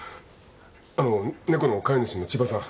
あの猫の飼い主の千葉さん。